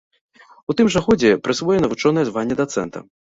У тым жа годзе прысвоена вучонае званне дацэнта.